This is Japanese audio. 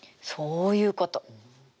そういうこと。